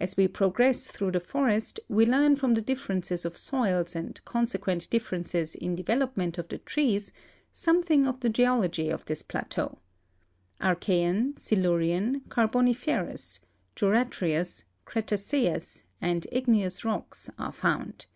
As we progress through the forest we learn from the ditlerences of soils and consequent differences in develo]tment of the trees something of the geology of this plateau. Arcluean, Silurian, Carboniferous, Juratrias, Cretaceous, and igneous rocks are found.